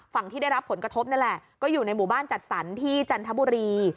ที่ได้รับผลกระทบนั่นแหละก็อยู่ในหมู่บ้านจัดสรรที่จันทบุรี